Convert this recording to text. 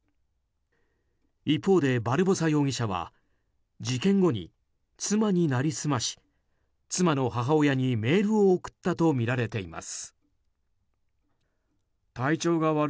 一方でバルボサ容疑者は事件後に妻に成り済まし妻の母親にメールを送ったとみられています。